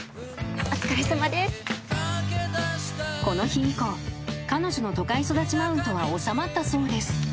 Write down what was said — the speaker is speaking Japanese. ［この日以降彼女の都会育ちマウントは収まったそうです］